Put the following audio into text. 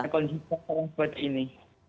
kondisi china yang seperti ini